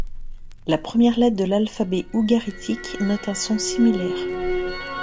La première lettre de l'alphabet ougaritique note un son similaire.